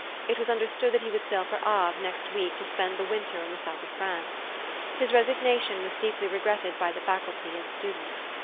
It was understood that he would sail for Havre next week to spend the winter in the south of France. His resignation was deeply regretted by the Faculty and students.